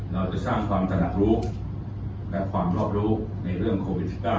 เราจะสร้างความถนัดรู้และความรอบรู้ในเรื่องโควิด๑๙